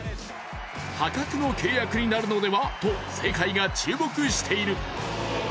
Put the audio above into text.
破格の契約になるのではと世界が注目している。